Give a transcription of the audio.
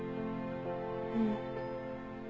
うん。